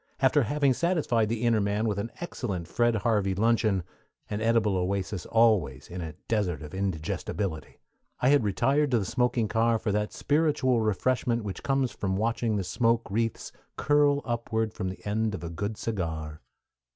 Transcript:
After having satisfied the inner man with an excellent Fred Harvey luncheon an edible oasis always in a desert of indigestibility I had retired to the smoking car for that spiritual refreshment which comes from watching the smoke wreaths curl upward from the end of a good cigar.